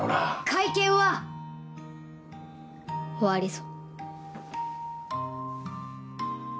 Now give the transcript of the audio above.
会見は終わりぞ。